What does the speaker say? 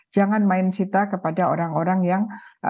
jangan main cita kepada orang orang yang